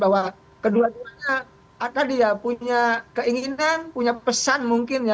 bahwa kedua duanya tadi ya punya keinginan punya pesan mungkin ya